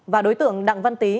và đối tượng đặng văn tý